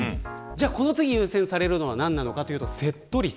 この次、優先されるのが何なのかというとセット率。